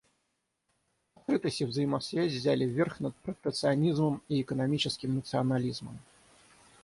Открытость и взаимозависимость взяли верх над протекционизмом и экономическим национализмом.